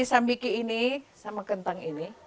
sambiki ini sama kentang ini